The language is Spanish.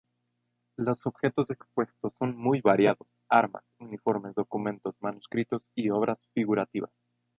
Los objetos expuestos son muy variados: armas, uniformes, documentos, manuscritos y obras figurativas.